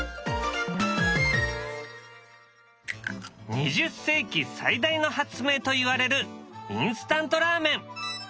２０世紀最大の発明といわれるインスタントラーメン。